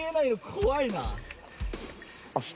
怖いな。